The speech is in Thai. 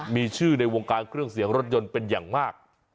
มีชื่อในวงการเครื่องเสียงรถยนต์เป็นอย่างมาก